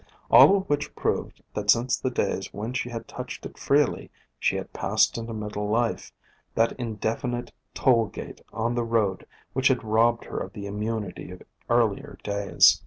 All of which proved that since the days when she had touched it freely, she had passed into middle life, that indefinite toll gate on the road which had robbed her of the immunity of earlier days.